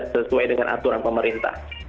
sesuai dengan aturan pemerintah